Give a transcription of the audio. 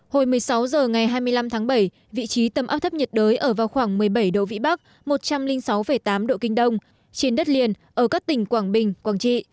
hồi một mươi sáu h ngày hai mươi năm tháng bảy vị trí tâm áp thấp nhiệt đới ở vào khoảng một mươi bảy độ vĩ bắc một trăm linh sáu tám độ kinh đông trên đất liền ở các tỉnh quảng bình quảng trị